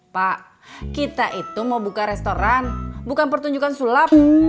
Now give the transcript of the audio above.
pak kita itu mau buka restoran bukan pertunjukan sulap